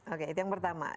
oke itu yang pertama